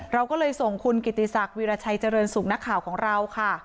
เราก็เลยส่งคุณกิติศักดิราชัยเจริญสุขนักข่าวของเราค่ะ